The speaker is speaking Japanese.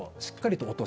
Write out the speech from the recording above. しっかりと？